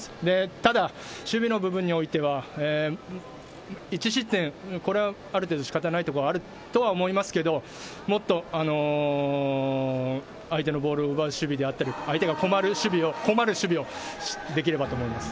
ただ守備の部分においては１失点、ある程度、仕方ないとは思いますが、もっと相手のボールを奪う守備であったり、相手が困る守備ができればと思います。